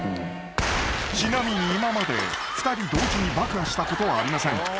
［ちなみに今まで２人同時に爆破したことはありません］